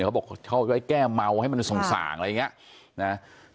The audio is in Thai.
เขาบอกเขาจะแก้เมาให้มันสง่างอะไรอย่างนี้นะ